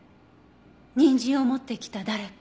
にんじんを持ってきた誰か。